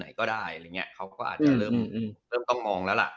ทิ้งทีมไหนก็ได้เขาก็อาจจะเริ่มต้องมองแล้วล่ะ